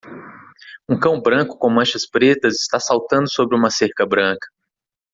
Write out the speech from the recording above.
Um cão branco com manchas pretas está saltando sobre uma cerca branca.